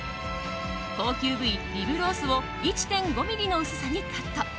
高級部位リブロースを１．５ｍｍの厚さにカット。